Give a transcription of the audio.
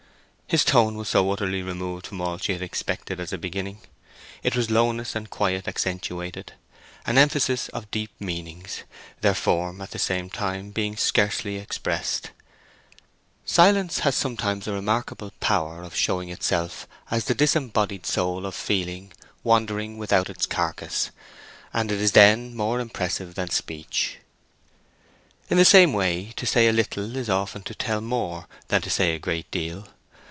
His tone was so utterly removed from all she had expected as a beginning. It was lowness and quiet accentuated: an emphasis of deep meanings, their form, at the same time, being scarcely expressed. Silence has sometimes a remarkable power of showing itself as the disembodied soul of feeling wandering without its carcase, and it is then more impressive than speech. In the same way, to say a little is often to tell more than to say a great deal.